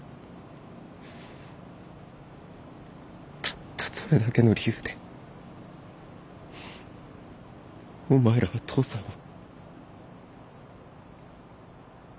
たったそれだけの理由でお前らは父さんを。